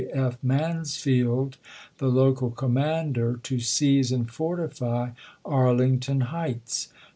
K. F. Mansfield, the local commander, to seize and fortify Arlington Heights.